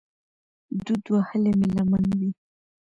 دود وهلې مې لمن وي